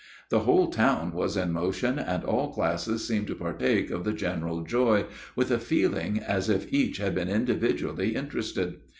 The whole town was in motion, and all classes seemed to partake of the general joy, with a feeling as if each had been individually interested.